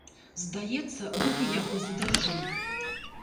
Здаецца, рукі яго задрыжэлі.